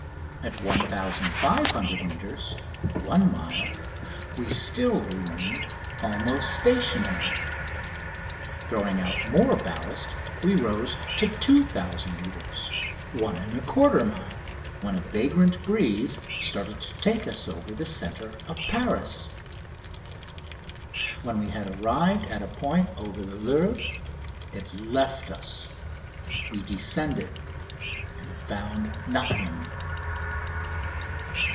At 1500 metres (one mile) we still remained almost stationary. Throwing out more ballast we rose to 2000 metres (1 1/4 mile), when a vagrant breeze started to take us over the centre of Paris. When we had arrived at a point over the Louvre ... it left us! We descended ... and found nothing!